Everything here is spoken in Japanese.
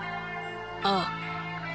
ああ。